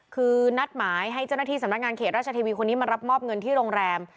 คือนัดหมายให้เจ้าหน้าที่สำนักงานเขตราชเทวีคนนี้มารับมอบเงินที่โรงแรม